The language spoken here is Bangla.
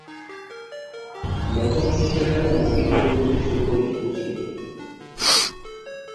লেখক হিসেবেও মফিজ চৌধুরী সুপরিচিত ছিল।